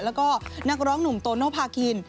แล้วก็นักร้องหนุ่มโตโนภาคิน